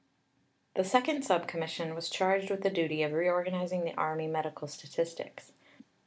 _ The second Sub Commission was charged with the duty of reorganizing the Army medical statistics.